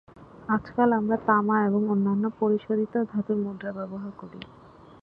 আজকাল আমরা তামা এবং অন্যান্য পরিশোধিত ধাতুর মুদ্রা ব্যবহার করি।